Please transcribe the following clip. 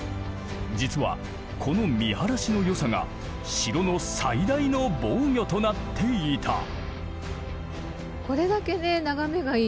実はこの見晴らしの良さが城の最大の防御となっていた。